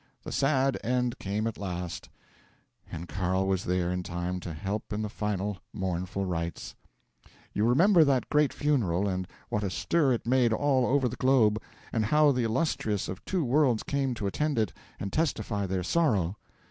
The sad end came at last, and Carl was there in time to help in the final mournful rites. 'You remember that great funeral, and what a stir it made all over the globe, and how the illustrious of two worlds came to attend it and testify their sorrow.